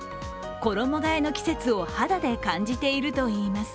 衣がえの季節を肌で感じているといいます。